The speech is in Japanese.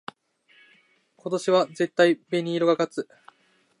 今年絶対紅組が勝つ